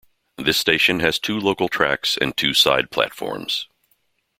This station has two local tracks and two side platforms.